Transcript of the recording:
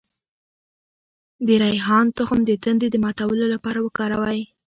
د ریحان تخم د تندې د ماتولو لپاره وکاروئ